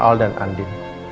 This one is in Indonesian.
sama al dan andi